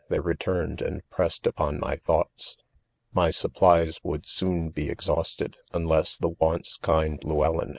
they returned sssd '.pressed '.upon my thoughts* s\ippl|es : would : soon be exhausted ? iia= less. the once kind ■Llewellyn!